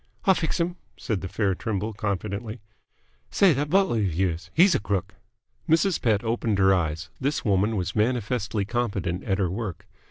"I'll fix'm," said the fair Trimble confidently. "Say, that butler 'f yours. He's a crook!" Mrs. Pett opened her eyes. This woman was manifestly competent at her work.